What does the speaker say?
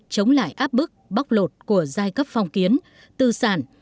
chống lại áp bức bóc lột của giai cấp phong kiến tư sản